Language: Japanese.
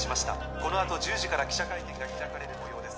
このあと１０時から記者会見が開かれるもようです